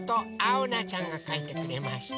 おなちゃんがかいてくれました。